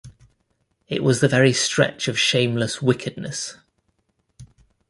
It was the very stretch of shameless wickedness.